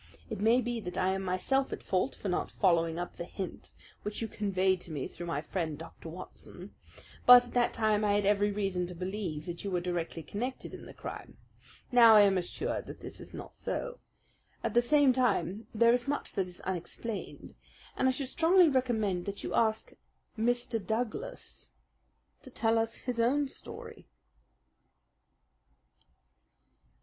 It may be that I am myself at fault for not following up the hint which you conveyed to me through my friend, Dr. Watson; but, at that time I had every reason to believe that you were directly concerned in the crime. Now I am assured that this is not so. At the same time, there is much that is unexplained, and I should strongly recommend that you ask Mr. Douglas to tell us his own story."